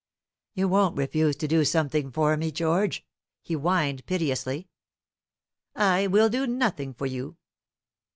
"You won't refuse to do something for me, George," he whined piteously. "I will do nothing for you.